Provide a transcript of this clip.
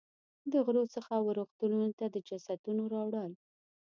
د غرو څخه وه رغتونونو ته د جسدونو راوړل.